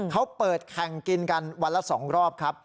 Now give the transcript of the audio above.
เขาเปิดแข่งกินกันวันละ๒รอบครับ